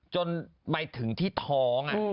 จนไปถึงที่ท้อง